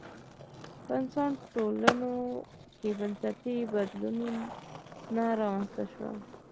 په انسان ټولنو کې بنسټي بدلونونه رامنځته شول